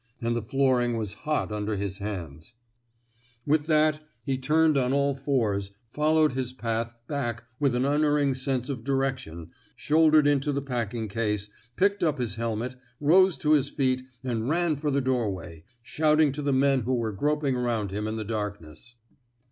And the flooring was hot under his hands. 231 THE SMOKE EATERS With that, he turned on all fours, followed his path back with an unerring sense of direction, shouldered into the packing case, picked up his helmet, rose to his feet, and ran for the doorway, shouting to the men who were groping around him in the darkness.